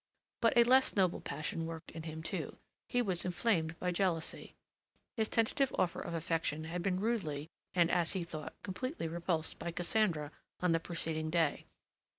But a less noble passion worked in him, too; he was inflamed by jealousy. His tentative offer of affection had been rudely and, as he thought, completely repulsed by Cassandra on the preceding day.